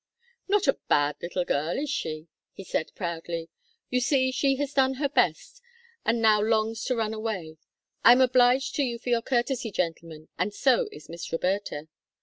"Not a bad little girl, is she?" he said, proudly. "You see, she has done her best, and now longs to run away. I am obliged to you for your courtesy, gentlemen, and so is Miss Roberta."